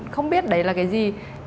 không biết đấy là cái gì